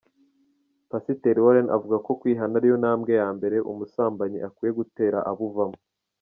Pasiteri Warren avuga ko kwihana ari yo ntambwe ya mbere umusambanyi akwiye gutera abuvamo.